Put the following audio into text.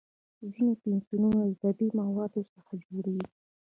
ځینې پنسلونه د طبیعي موادو څخه جوړېږي.